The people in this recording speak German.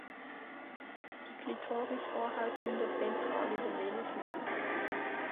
Die Klitorisvorhaut mündet ventral in den Venushügel.